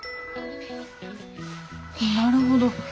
なるほど。